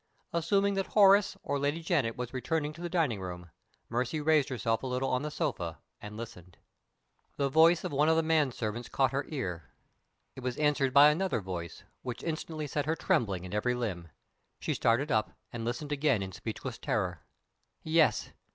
Assuming that either Horace or Lady Janet was returning to the dining room, Mercy raised herself a little on the' sofa and listened. The voice of one of the men servants caught her ear. It was answered by another voice, which instantly set her trembling in every limb. She started up, and listened again in speechless terror. Yes!